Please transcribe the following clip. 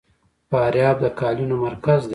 فاریاب د قالینو مرکز دی